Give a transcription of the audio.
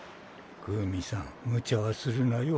クウミさんむちゃはするなよ。